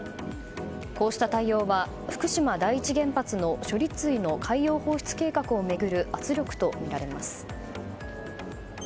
こうした対応は福島第一原発の処理水の海洋放出計画を巡る圧力とみられます。